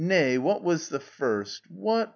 What was the first thing?